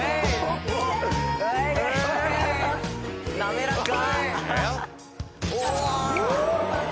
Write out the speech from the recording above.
滑らか。